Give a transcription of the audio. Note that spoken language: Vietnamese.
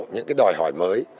những cái đòi hỏi mới